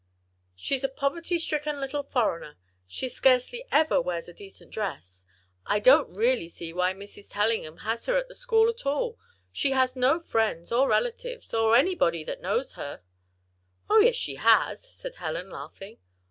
"She's a poverty stricken little foreigner. She scarcely ever wears a decent dress. I don't really see why Mrs. Tellingham has her at the school at all. She has no friends, or relatives, or anybody that knows her " "Oh, yes she has," said Helen, laughing.